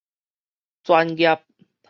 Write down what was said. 轉業